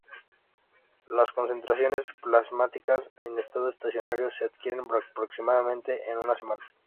Las concentraciones plasmáticas en estado estacionario se adquieren aproximadamente en una semana.